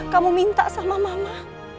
kamu minta sama mama